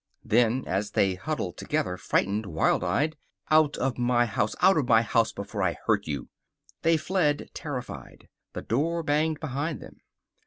Then, as they huddled together, frightened, wild eyed. "Out of my house! Out of my house! Before I hurt you!" They fled, terrified. The door banged behind them.